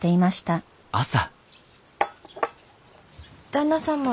旦那様